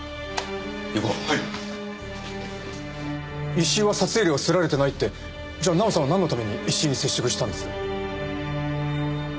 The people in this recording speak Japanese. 石井は札入れを掏られてないってじゃあ奈緒さんはなんのために石井に接触したんです？